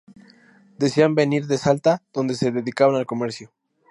Decían venir de Salta, donde se dedicaban al comercio.